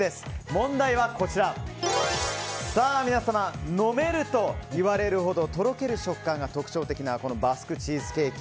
問題は飲めるといわれるほどとろける食感が特徴なこのバスクチーズケーキ。